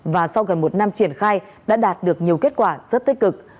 và sau gần một năm triển khai đã đạt được nhiều kết quả rất tích cực